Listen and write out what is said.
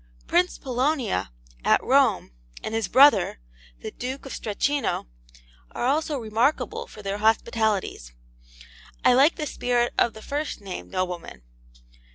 Prince Polonia, at Rome, and his brother, the Duke of Strachino, are also remarkable for their hospitalities. I like the spirit of the first named nobleman.